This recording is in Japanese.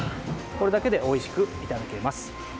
これだけでおいしくいただけます。